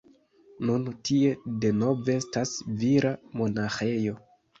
Nun tie denove estas vira monaĥejo.